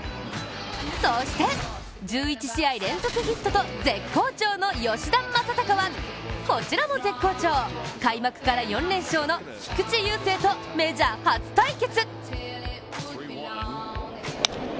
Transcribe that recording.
そして、１１試合連続ヒットと絶好調の吉田正尚はこちらも絶好調開幕から４連勝の菊池雄星とメジャー初対決。